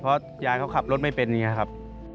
เพราะยายเขาขับรถไม่เป็นอย่างนี้ครับ